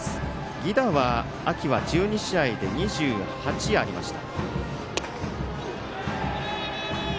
犠打は、秋は１２試合で２８ありました。